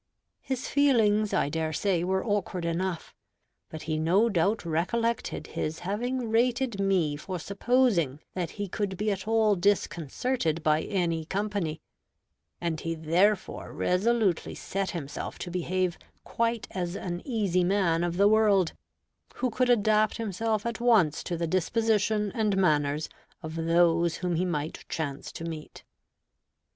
His feelings, I dare say, were awkward enough. But he no doubt recollected his having rated me for supposing that he could be at all disconcerted by any company, and he therefore resolutely set himself to behave quite as an easy man of the world, who could adapt himself at once to the disposition and manners of those whom he might chance to meet.